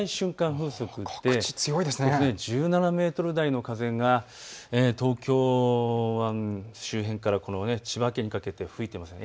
風速で１７メートル台の風が、東京湾周辺から千葉県にかけて吹いていますね。